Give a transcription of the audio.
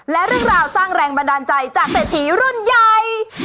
และเรื่องราวสร้างแรงบันดาลใจจากเศรษฐีรุ่นใหญ่